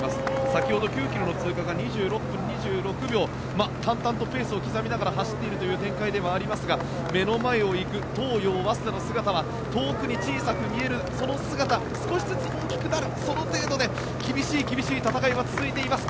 先ほど９ｋｍの通過が２６分２６秒淡々とペースを刻みながら走っている展開ではありますが目の前を行く東洋、早稲田の姿は遠くに小さく見えるその姿、少しずつ見えてくるその程度で厳しい厳しい戦いは続いています。